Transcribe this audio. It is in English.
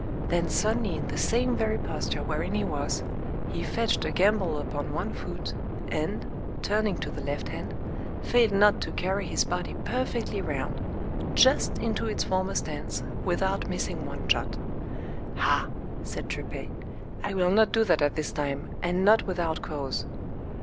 Then suddenly in the same very posture wherein he was, he fetched a gambol upon one foot, and, turning to the left hand, failed not to carry his body perfectly round, just into its former stance, without missing one jot. Ha, said Tripet, I will not do that at this time, and not without cause.